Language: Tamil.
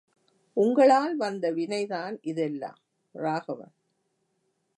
உங்களால் வந்த வினைதான் இதெல்லாம்! ராகவன்.